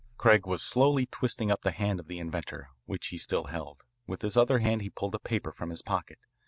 Craig was slowly twisting up the hand of the inventor, which he still held. With his other hand he pulled a paper from his pocket.